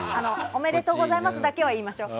おめでとうございますだけは言いましょう。